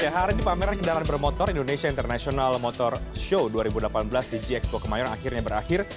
hari ini pameran kendaraan bermotor indonesia international motor show dua ribu delapan belas di gxpo kemayoran akhirnya berakhir